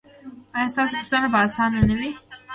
ایا ستاسو پوښتنه به اسانه وي؟